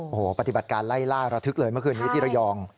โอ้โหปฏิบัติการไล่ล่าระทึกเลยเมื่อคืนนี้ที่ระยอง